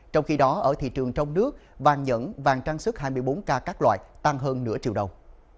trong khi đó ở thị trường trong nước vàng nhẫn vàng trang sức hai mươi bốn k các loại tăng hơn nửa triệu đồng